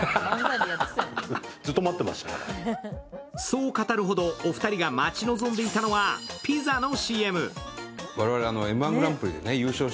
そう語るほど、お二人が待ち望んでいたのはピザのＣＭ。